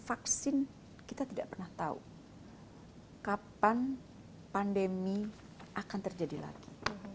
vaksin kita tidak pernah tahu kapan pandemi akan terjadi lagi